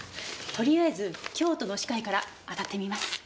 とりあえず京都の歯科医からあたってみます。